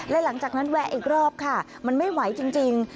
และหลังจากนั้นแวะอีกรอบค่ะมันไม่ไหวจริง